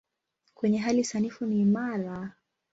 Kwenye hali sanifu ni imara.